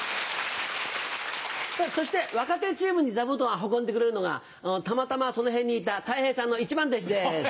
そして若手チームに座布団を運んでくれるのがたまたまその辺にいたたい平さんの一番弟子です。